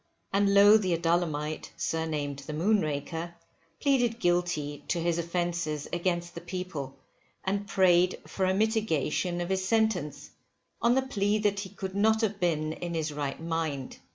And Lowe the Adullamite, surnamed the moonraker, pleaded guilty to his offences against the people, and prayed for a mitigation of his sentence, on the plea that he could not have been in his right mind.